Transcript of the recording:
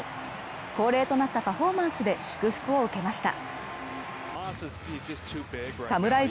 恒例となったパフォーマンスで祝福を受けました。